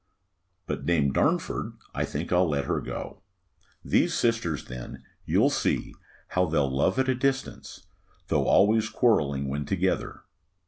But, Dame Darnford, I think I'll let her go. These sisters then, you'll see, how they'll love at a distance, though always quarrelling when together."